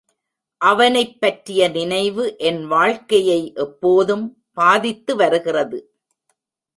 அவனைப் பற்றிய நினைவு என் வாழ்க்கையை இப்போதும் பாதித்து வருகிறது.